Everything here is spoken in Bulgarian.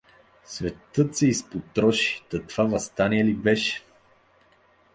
— Светът се изпотроши… Та това въстание ли беше!